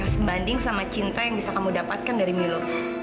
sebanding sama cinta yang bisa kamu dapatkan dari milo